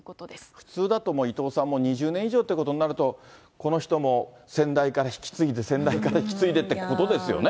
普通だと、伊藤さん、２０年以上っていうことになると、この人も先代から引き継いで、先代から引き継いでっていうことですよね。